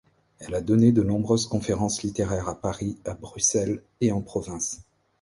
Elle a donné de nombreuses conférences littéraires à Paris, à Bruxelles, et en province.